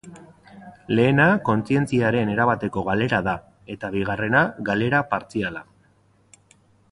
Lehena, kontzientziaren erabateko galera da eta bigarrena galera partziala.